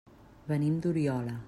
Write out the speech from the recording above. Venim d'Oriola.